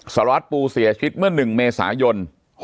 สารวัตรปูเสียชีวิตเมื่อ๑เมษายน